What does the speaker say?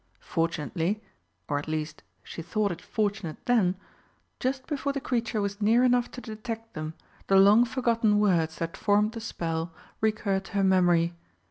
Fortunately or at least she thought it fortunate then, just before the creature was near enough to detect them, the long forgotten words that formed the spell recurred to her memory.